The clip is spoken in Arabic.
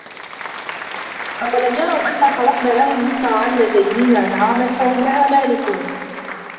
أَوَلَم يَرَوا أَنّا خَلَقنا لَهُم مِمّا عَمِلَت أَيدينا أَنعامًا فَهُم لَها مالِكونَ